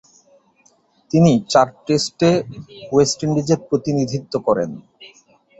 তিনি চার টেস্টে ওয়েস্ট ইন্ডিজের প্রতিনিধিত্ব করেন।